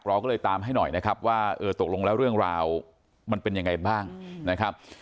เราก็เลยตามให้หน่อยนะครับว่าเออตกลงแล้วเรื่องราวมันเป็นยังไงบ้างนะครับ